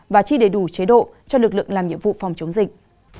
và chi đầy đủ chế độ cho lực lượng làm nhiệm vụ phòng chống dịch